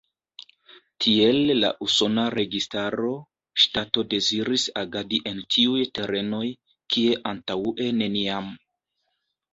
Tiel la usona registaro, ŝtato deziris agadi en tiuj terenoj, kie antaŭe neniam.